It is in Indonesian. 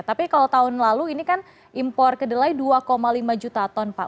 tapi kalau tahun lalu ini kan impor kedelai dua lima juta ton pak